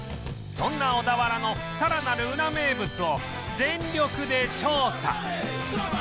そんな小田原のさらなるウラ名物を全力で調査！